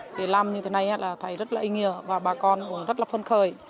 để làm như thế này là thấy rất là ý nghĩa và bà con cũng rất là phân khởi